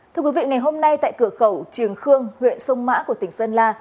thưa quý vị ngày hôm nay tại cửa khẩu triềng khương huyện sông mã của tỉnh sơn la